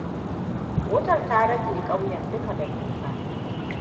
Wutar ta rage ƙauyen dukka da toka.